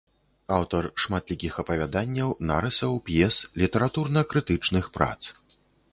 Аўтар шматлікіх апавяданняў, нарысаў, п'ес, літаратурна-крытычных прац.